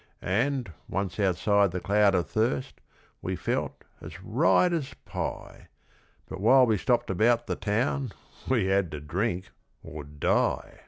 'And, once outside the cloud of thirst, we felt as right as pie, But while we stopped about the town we had to drink or die.